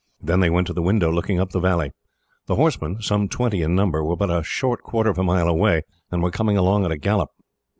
Then they went to the window looking up the valley. The horsemen, some twenty in number, were but a short quarter of a mile away, and were coming along at a gallop.